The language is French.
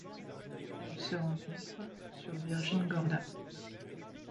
Elle se rencontre sur Virgin Gorda.